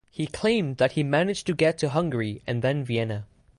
He claimed that he managed to get to Hungary and then Vienna.